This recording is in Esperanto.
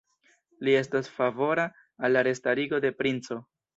Li estos favora al la restarigo de princo.